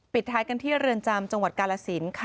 ท้ายกันที่เรือนจำจังหวัดกาลสินค่ะ